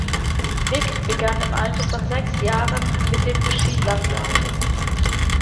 Wick begann im Alter von sechs Jahren mit dem Skilanglauf.